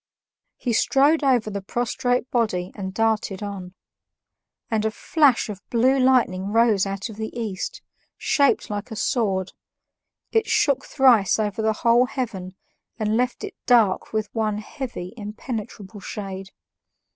He strode over the prostrate body and darted on. And a flash of blue lightning rose out of the East, shaped like a sword; it shook thrice over the whole heaven and left it dark with one heavy, impenetrable shade.